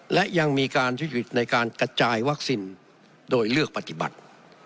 และยังมีการทุจริตในการกระจายวัคซีนโดยเลือกปฏิบัติ